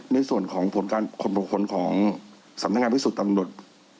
ในส่วนของผลการข่อมูลขนของสำเร็จงานพิสุทธิ์นำรวช